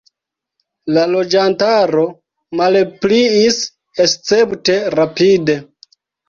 La loĝantaro malpliis escepte rapide.